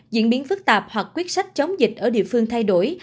diễn biến phức tạp hoặc quyết sách chống dịch ở địa phương thay đổi